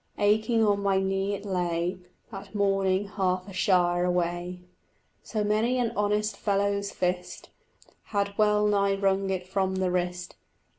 Aching on my knee it lay: That morning half a shire away So many an honest fellow's fist Had well nigh wrung it from the wrist.